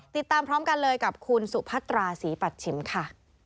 ติดตามพร้อมกันเลยกับคุณสุพัตราศรีปัชชิมค่ะ